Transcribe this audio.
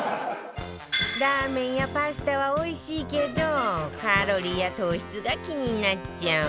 ラーメンやパスタはおいしいけどカロリーや糖質が気になっちゃう